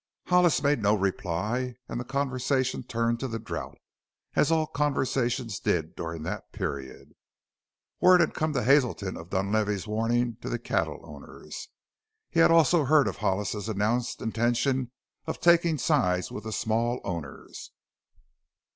Hollis made no reply and the conversation turned to the drought as all conversations did during that period. Word had come to Hazelton of Dunlavey's warning to the cattle owners. He had heard also of Hollis's announced intention of taking sides with the small owners.